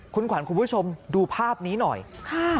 คุณขวัญคุณผู้ชมดูภาพนี้หน่อยค่ะ